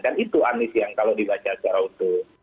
kan itu anies yang kalau dibaca secara utuh